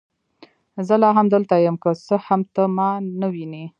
زه لا هم دلته یم، که څه هم ته ما نه وینې.